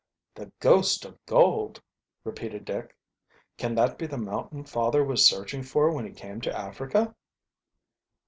"The Ghost of Gold!" repeated Dick. "Can that be the mountain father was searching for when he came to Africa?"